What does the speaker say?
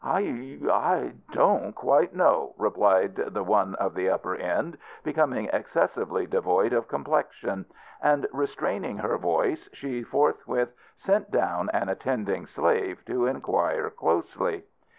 "I I don't quite know," replied the one of the upper end, becoming excessively devoid of complexion; and restraining her voice she forthwith sent down an attending slave to inquire closely.